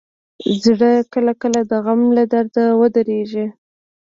زړه کله کله د غم له درده ودریږي.